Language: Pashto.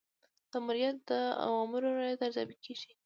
د آمریت د اوامرو رعایت ارزیابي کیږي.